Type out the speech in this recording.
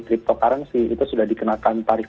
cryptocurrency itu sudah dikenakan tarif